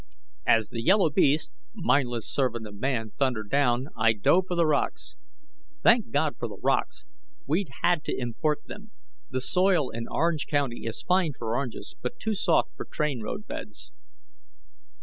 As the yellow beast, mindless servant of man, thundered down, I dove for the rocks. Thank God for the rocks we'd had to import them: the soil in Orange County is fine for oranges, but too soft for train roadbeds.